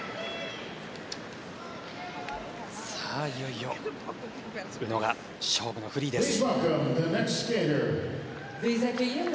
いよいよ宇野が勝負のフリーです。